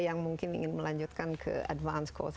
yang mungkin ingin melanjutkan ke advance course